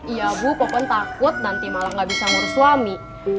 iya bu kokpen takut nanti malah gak bisa ngurus suami